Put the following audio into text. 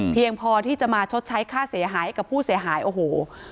พอที่จะมาชดใช้ค่าเสียหายให้กับผู้เสียหายโอ้โห